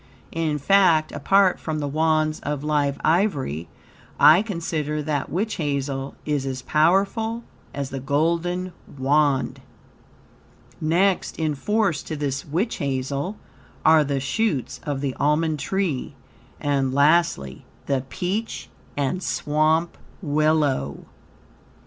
In fact, apart from the Wands of live ivory, I consider that witch hazel is as powerful as the golden Wand. Next in force to this witch hazel are the shoots of the almond tree, and, lastly, the peach and swamp willow.